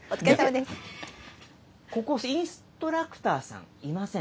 ここ、インストラクターさん、いません。